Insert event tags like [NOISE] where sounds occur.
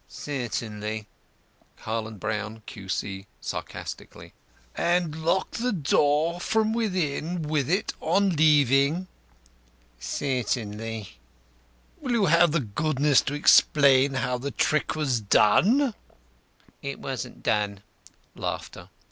"Certainly." BROWN HARLAND, Q.C. (sarcastically): "And locked the door from within with it on leaving?" "Certainly." "Will you have the goodness to explain how the trick was done?" "It wasn't done. [LAUGHS]